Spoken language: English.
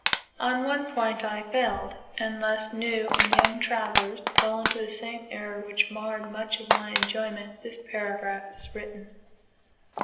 On one point I failed, and lest new and young travellers fall into the same error which marred much of my enjoyment, this paragraph is written.